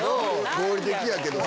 合理的やけど。